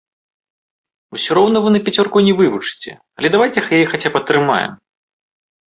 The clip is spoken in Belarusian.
Усё роўна вы на пяцёрку не вывучыце, але давайце яе хаця б атрымаем!